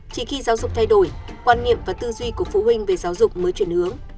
chỉ khi giáo dục thay đổi quan niệm và tư duy của phụ huynh về giáo dục mới chuyển hướng